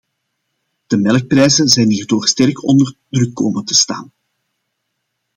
De melkprijzen zijn hierdoor sterk onder druk komen te staan.